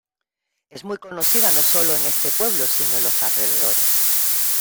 Es muy conocida no sólo en este pueblo, sino en los alrededores.